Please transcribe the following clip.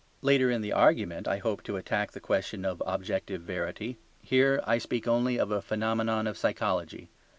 Later in the argument I hope to attack the question of objective verity; here I speak only of a phenomenon of psychology.